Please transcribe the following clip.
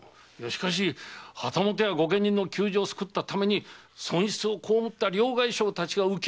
しかし旗本や御家人の窮状を救ったために損失を被った両替商たちが憂き目にあっているのです。